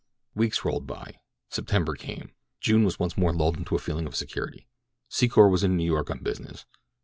Weeks rolled by. September came. June was once more lulled into a feeling of security. Secor was in New York on business.